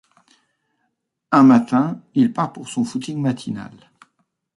Un matin, il part pour son footing matinal.